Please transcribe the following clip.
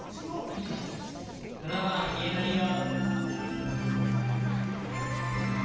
７番「言えないよ」。